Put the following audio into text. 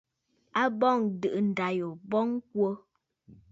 A bɔŋ ǹdɨ̀ʼɨ ndâ yò m̀bɔŋ kwo.